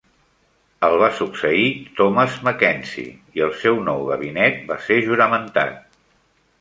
El va succeir Thomas Mackenzie i el seu nou gabinet va ser juramentat.